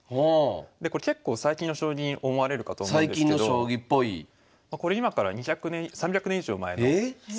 これ結構最近の将棋に思われるかと思うんですけどこれ今から江戸時代からあったんすか？